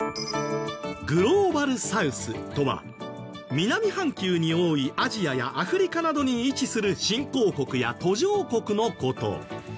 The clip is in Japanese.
グローバルサウスとは南半球に多いアジアやアフリカなどに位置する新興国や途上国の事。